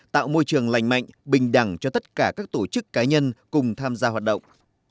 tạo môi trường lành mạnh bình đẳng cho tất cả các tổ chức cá nhân cùng tham gia hoạt động